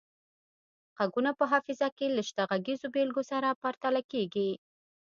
غږونه په حافظه کې له شته غږیزو بیلګو سره پرتله کیږي